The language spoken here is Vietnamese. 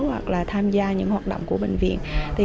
hoặc là tham gia những hoạt động của bệnh viện